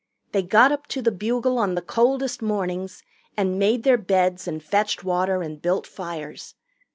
They got up to the bugle on the coldest mornings and made their beds and fetched water and built fires.